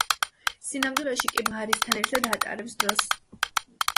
სინამდვილეში კი მარისთან ერთად ატარებს დროს.